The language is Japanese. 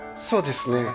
そうですね。